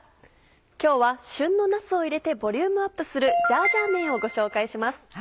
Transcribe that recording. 今日は旬のなすを入れてボリュームアップするジャージャー麺をご紹介します。